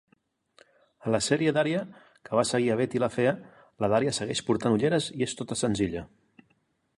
A la sèrie "Daria" que va seguir a "Betty, la fea", la Daria segueix portant ulleres i és tota senzilla.